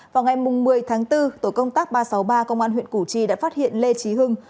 vào ngày một mươi tháng bốn tổ công tác ba trăm sáu mươi ba công an huyện củ chi đã phát hiện lê trí hưng